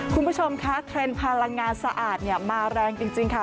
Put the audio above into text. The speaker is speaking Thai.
คุณผู้ชมคะเทรนด์พลังงานสะอาดมาแรงจริงค่ะ